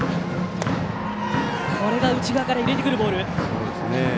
内側から入れてくるボール。